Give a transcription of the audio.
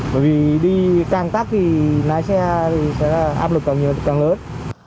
bởi vì đi càng tắt thì lái xe sẽ áp lực càng lớn